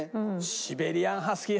シベリアン・ハスキー。